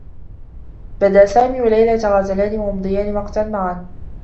بدآ سامي و ليلى يتغازلان و يمضيان وقتا معا.